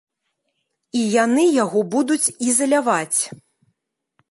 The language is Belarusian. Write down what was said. І яны яго будуць ізаляваць.